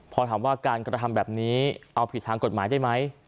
พอถามว่าการกระทำแบบนี้เอาผิดทางกฎหมายได้ไหม